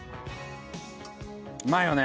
うまいよね？